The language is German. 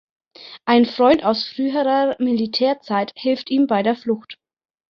Ein Freund aus früherer Militärzeit hilft ihm bei der Flucht.